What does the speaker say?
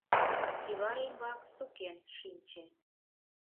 Кӱвар ӱмбак сукен шинче.